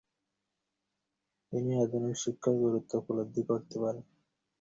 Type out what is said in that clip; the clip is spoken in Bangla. এ প্রবন্ধে সম্ভাব্য বিকল্প স্থান ও কয়লা পরিবহনের পথ প্রস্তাব করা হয়েছে।